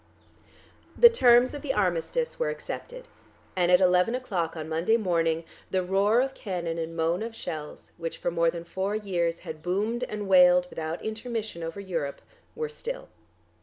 The terms of the armistice were accepted, and at eleven o'clock on Monday morning the roar of cannon and moan of shells, which for more than four years had boomed and wailed without intermission over Europe, were still.